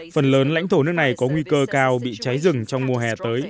phần lớn lãnh thổ nước này có nguy cơ cao bị cháy rừng trong mùa hè tới